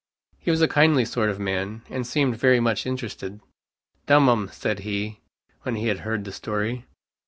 He was a kindly sort of man, and seemed very much interested. "Dum 'em," said he, when he had heard the story.